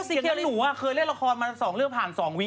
เชียงงั้นหนูเคยเล่นละครมาสองเรื่องผ่านสองวิน